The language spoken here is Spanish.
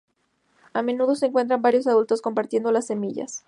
A menudo se encuentran varios adultos compartiendo las semillas.